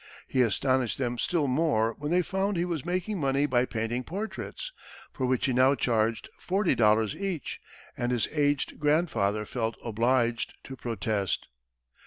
He astonished them still more when they found he was making money by painting portraits, for which he now charged forty dollars each, and his aged grandfather felt obliged to protest.